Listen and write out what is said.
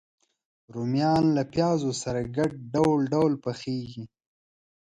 رومیان له پیاز سره ګډ ډول ډول پخېږي